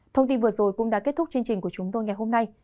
thông tin vừa rồi cũng đã kết thúc chương trình của chúng tôi ngày hôm nay